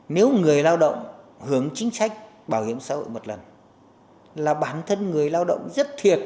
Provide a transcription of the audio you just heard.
nếu người lao động hưởng chính sách bảo hiểm xã hội một lần là bản thân người lao động rất thiệt